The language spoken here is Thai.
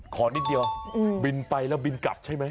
ขอนิดเดียวบินไปแล้วบินกลับใช่ไหม